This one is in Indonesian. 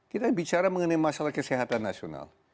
kita bicara mengenai masalah kesehatan nasional